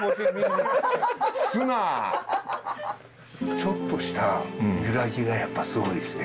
ちょっとした揺らぎがやっぱりスゴイですね。